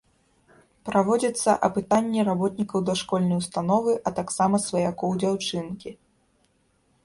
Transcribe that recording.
Праводзяцца апытанні работнікаў дашкольнай установы, а таксама сваякоў дзяўчынкі.